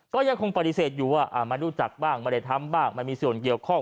ก็ยังคงปฏิเสธอยู่ว่ามารู้จักบ้างไม่ได้ทำบ้างไม่มีส่วนเกี่ยวข้อง